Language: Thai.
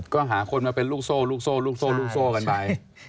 ก็หาคนมาเป็นลูกโซ่ลูกโซ่ลูกโซ่ลูกโซ่กันไป